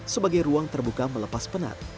sebagai ruang terbuka melepas penat